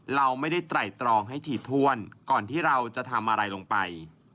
เราไม่ได้ไตรตรองให้ถี่ถ้วนก่อนที่เราจะทำอะไรลงไป